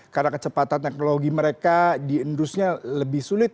karena kecepatan teknologi mereka diendusnya lebih sulit